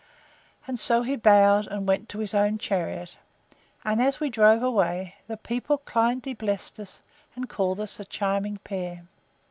And so he bowed, and went to his own chariot; and, as we drove away, the people kindly blessed us, and called us a charming pair.